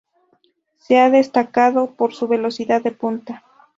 Se ha destacado por su velocidad de punta.